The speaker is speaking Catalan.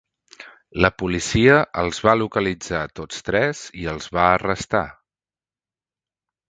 La policia els va localitzar tots tres i els va arrestar.